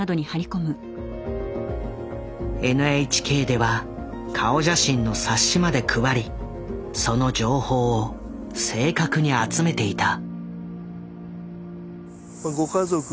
ＮＨＫでは顔写真の冊子まで配りその情報を正確に集めていた。